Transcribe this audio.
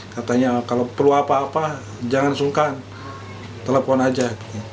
katanya kalau perlu apa apa jangan sungkan telepon aja